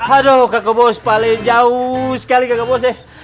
aduh kakak bos paling jauh sekali kakak bos ya